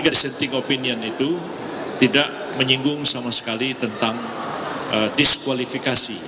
tiga dissenting opinion itu tidak menyinggung sama sekali tentang disqualifikasi